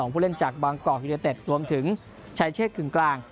ผู้เล่นจากบางกอกยูเนเต็ดรวมถึงชายเชษกึ่งกลาง